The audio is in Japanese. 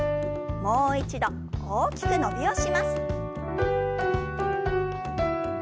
もう一度大きく伸びをします。